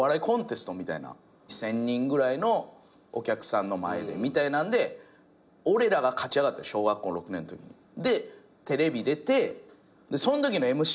１，０００人ぐらいのお客さんの前でみたいなんで俺らが勝ち上がった小学校６年のときに。でテレビ出てそんときのＭＣが陣内さんやった。